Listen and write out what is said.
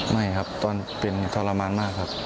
ไม่ครับตอนเป็นทรมานมากครับ